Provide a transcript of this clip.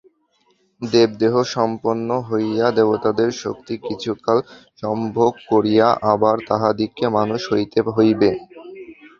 দেবদেহসম্পন্ন হইয়া দেবতাদের শক্তি কিছুকাল সম্ভোগ করিয়া আবার তাহাদিগকে মানুষ হইতে হইবে।